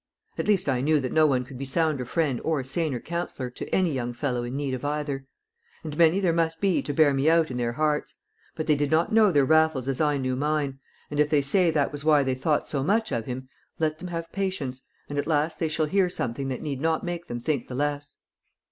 At least I knew that no one could be sounder friend or saner counsellor to any young fellow in need of either. And many there must be to bear me out in their hearts; but they did not know their Raffles as I knew mine; and if they say that was why they thought so much of him, let them have patience, and at last they shall hear something that need not make them think the less.